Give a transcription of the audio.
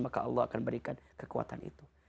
maka allah akan berikan kekuatan itu